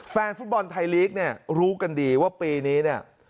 แฟนฟุตบอลไทยลีกเนี่ยรู้กันดีว่าปีนี้เนี่ย